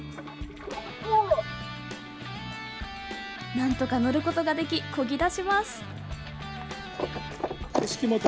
なんとか乗ることができこぎ出します。